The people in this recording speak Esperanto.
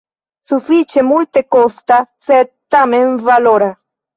Sufiĉe multekosta sed tamen valora.